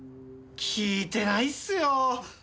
聞いてないっすよ。